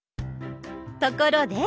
ところで！